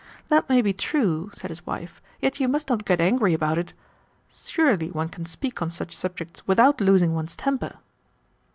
"That may be true," said his wife. "Yet you must not get angry about it. Surely one can speak on such subjects without losing one's temper?"